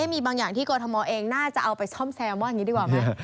มีบางอย่างที่โกธมอล์เองน่าจะเอาไปซ่อมว่าอันนี้ดีกว่า